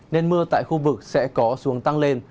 nên mưa tại khu vực sẽ có xuống tăng lên